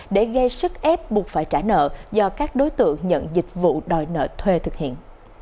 để gây sức ép buộc phải trả nợ do các đối tượng nhận dịch vụ đòi nợ thuê thực hiện